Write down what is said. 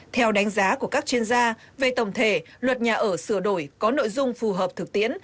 theo đánh giá của các chuyên gia về tổng thể luật nhà ở sửa đổi có nội dung phù hợp thực tiễn